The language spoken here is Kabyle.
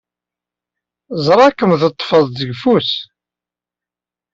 Ẓriɣ-kem teḍḍfed-t seg ufus.